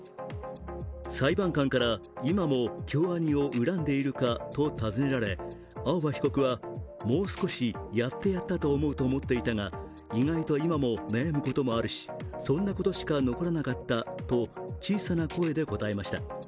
裁判官から今も京アニを恨んでいるかと訪ねられ、青葉被告はもう少しやってやったと思うと思っていたが、意外と今も悩むこともあるしそんなことしか残らなかったと小さな声で答えました。